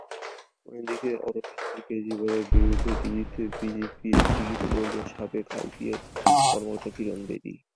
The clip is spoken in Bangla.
অন্যদিকে অরবিন্দ কেজরিওয়ালের বিরুদ্ধে দিল্লিতে বিজেপির টিকিটে লড়বেন সাবেক আইপিএস কর্মকর্তা কিরণ বেদী।